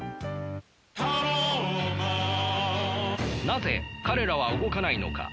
なぜ彼らは動かないのか。